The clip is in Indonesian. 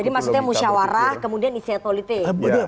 jadi maksudnya musyawarah kemudian iktihad politik